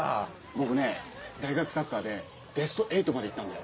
僕ね大学サッカーでベスト８まで行ったんだよ。